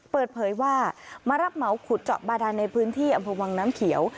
เปิดเผยว่ามารับเหมาขุดเจาะบาดานในพื้นที่อำเภอวังน้ำเขียว